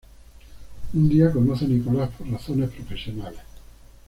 Un día conoce a Nicolás por razones profesionales.